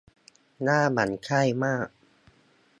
น่าหมั่นไส้มาก